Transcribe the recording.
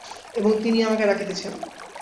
এবং তিনিই আমাকে ডাকিতেছেন।